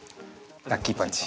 ラッキーパンチ。